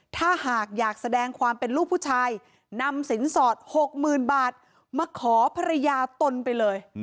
ถ้าหากอยากแสดงความเป็นลูกผู้ชายนำสินสอด๖๐๐๐บาทมาขอภรรยาตนไปเลย